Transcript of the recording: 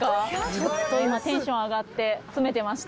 ちょっと今テンション上がって詰めてました。